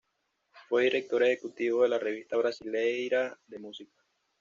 Fue director ejecutivo de la Revista Brasileira de Música.